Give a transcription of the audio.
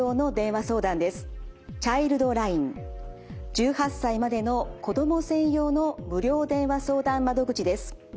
１８歳までの子ども専用の無料電話相談窓口です。